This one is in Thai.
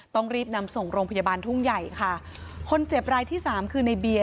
ต้องรีบนำส่งโรงพยาบาลทุ่งใหญ่ค่ะคนเจ็บรายที่สามคือในเบียร์